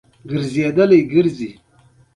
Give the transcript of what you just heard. باز د خپلو منګولو غښتلي تمرین کوي